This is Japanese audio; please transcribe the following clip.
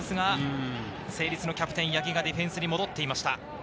成立のキャプテン・八木がディフェンスに戻っていました。